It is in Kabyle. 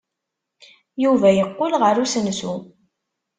Yuba yeqqel ɣer usensu.